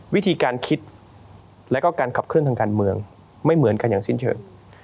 วิธีการคิดแล้วก็การขับเคลื่อนทางการเมืองไม่เหมือนกันอย่างสิ้นเชิง